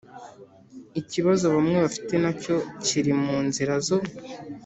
ikibazo bamwe bafite nacyo kiri mu nzira zo